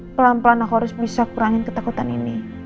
pelan pelan aku harus bisa kurangin ketakutan ini